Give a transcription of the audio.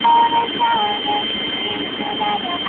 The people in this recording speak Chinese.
穿着统一的白底红衬骑士装。